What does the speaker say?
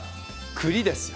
栗ですよ。